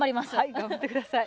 頑張ってください。